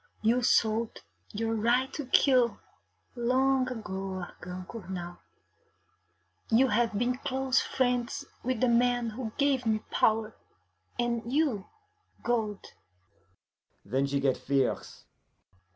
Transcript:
You sold your right to kill long ago, Argand Cournal. You have been close friends with the man who gave me power, and you gold.' Then she get fierce.